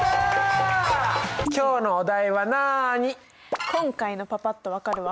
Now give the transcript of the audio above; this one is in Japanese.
今日のお題はなに？